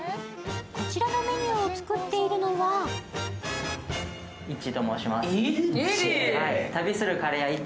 こちらのメニューを作っているのはいっちーと申します。